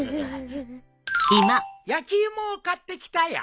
焼き芋を買ってきたよ。